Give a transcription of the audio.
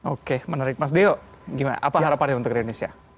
oke menarik mas deo apa harapan untuk indonesia